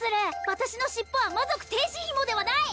私の尻尾は魔族停止ヒモではない！